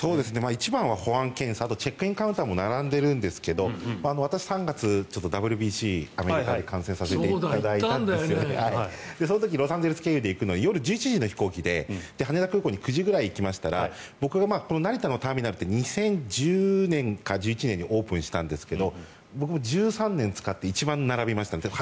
一番は保安検査あとチェックインカウンターも並んでいるんですが私３月、ＷＢＣ、アメリカで観戦させていただいたんですがその時にロサンゼルス経由で行くのに夜１１時の飛行機で羽田空港に９時ぐらいに行きましたら、僕が成田のターミナルって２０１０年か１１年にオープンしたんですが僕も１３年使って一番並びましたね。